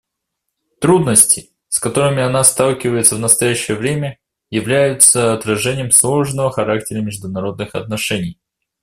Трудности, с которыми она сталкивается в настоящее время, являются отражением сложного характера международных отношений.